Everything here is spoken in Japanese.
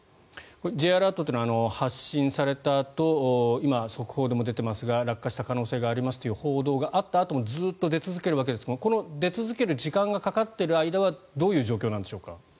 Ｊアラートというのは発信されたあと今、速報でも出ていますが落下した可能性がありますという報道があったあともずっと出続けるわけですが出続ける時間がかかっている間はどういう状況なんでしょうか。